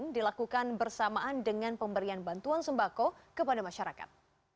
dilakukan bersamaan dengan pemberian bantuan sembako kepada masyarakat